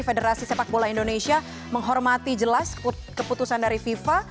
federasi sepak bola indonesia menghormati jelas keputusan dari fifa